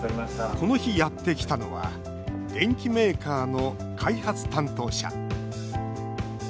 この日やってきたのは電機メーカーの開発担当者。